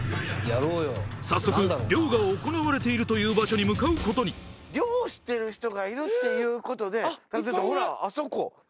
早速漁が行われているという場所に向かうことに漁をしてる人がいるっていうことであっいっぱいいるほらあそこ！